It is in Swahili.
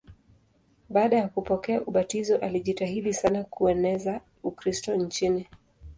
Baada ya kupokea ubatizo alijitahidi sana kueneza Ukristo nchini.